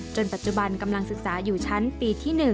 ปัจจุบันกำลังศึกษาอยู่ชั้นปีที่๑